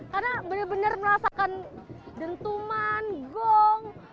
karena benar benar merasakan dentuman gong